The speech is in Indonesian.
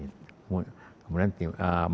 kemudian masuk era baru